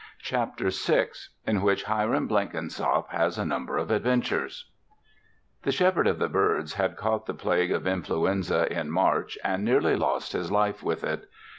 CHAPTER SIX IN WHICH HIRAM BLENKINSOP HAS A NUMBER OF ADVENTURES The Shepherd of the Birds had caught the plague of influenza in March and nearly lost his life with it.